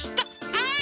はい！